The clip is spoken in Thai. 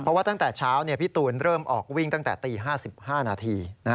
เพราะว่าตั้งแต่เช้าพี่ตูนเริ่มออกวิ่งตั้งแต่ตี๕๕นาที